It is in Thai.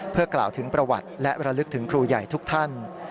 เพื่อกล่าวถึงประวัติและระลึกถึงครูใหญ่ทุกท่าน